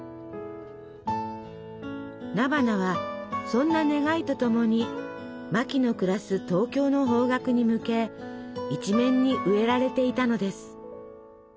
菜花はそんな願いとともにマキの暮らす東京の方角に向け一面に植えられていたのです。